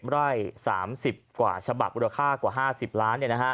ไร่๓๐กว่าฉบับมูลค่ากว่า๕๐ล้าน